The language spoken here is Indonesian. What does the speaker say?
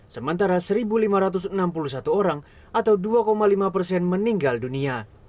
sementara satu lima ratus enam puluh satu orang atau dua lima persen meninggal dunia